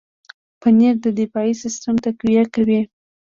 پنېر د دفاعي سیستم تقویه کوي.